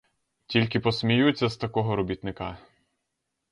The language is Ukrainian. Тільки посміються з такого робітника.